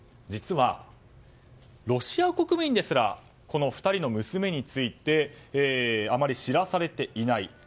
実はロシア国民ですらこの２人の娘についてあまり知らされていない。